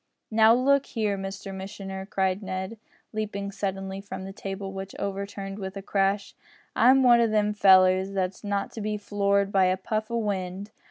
"Now, look here, Mr missioner," cried Ned, leaping suddenly from the table, which overturned with a crash, "I'm one o' them fellers that's not to be floored by a puff o' wind.